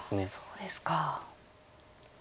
そうですか。